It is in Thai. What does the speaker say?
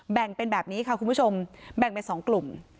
แบ่งเป็นแบบนี้ค่ะคุณผู้ชมแบ่งเป็น๒กลุ่ม